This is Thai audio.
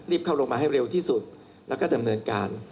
รีบเข้าลงมาให้เร็วที่สุดแล้วก็จะเมื่อการ